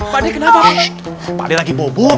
pade kenapa pade lagi bobok